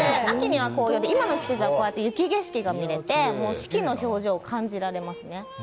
秋には紅葉で、今の季節はこうやって雪景色が見られて四季の表情を感じられますね。